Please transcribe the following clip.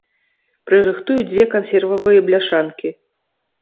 Прырыхтую дзве кансервавыя бляшанкі.